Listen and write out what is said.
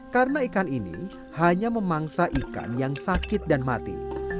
karena ikan ini hanya memangsa ikan yang sakit dan mati